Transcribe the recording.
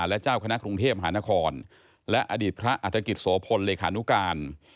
และเจ้าคณะกรุงเทพหานครและอดีตพระอัฐกิจโสพลเลขานุการ